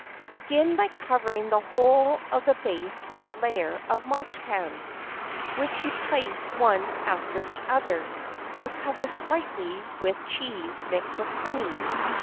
Begin by covering the whole of the base with a layer of marchpans, which you place one after the other, and cover slightly with cheese mixed with honey.